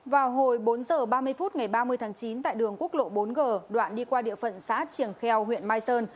vào hồi bốn h ba mươi phút ngày ba mươi tháng chín tại đường quốc lộ bốn g đoạn đi qua địa phận xã triềng kheo huyện mai sơn